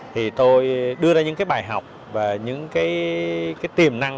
thì tôi đưa ra những cái bài học và những cái tiềm năng